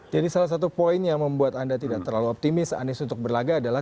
jadi salah satu poin yang membuat anda tidak terlalu optimis anis untuk berlagak adalah